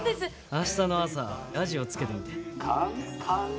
あしたの朝ラジオつけてみて。